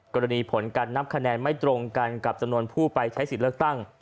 กรณีผลการนับคะแนนไม่ตรงกันกับจำนวนผู้ไปใช้สิทธิ์เลือกตั้ง